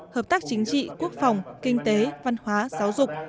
hợp tác chính trị quốc phòng kinh tế văn hóa giáo dục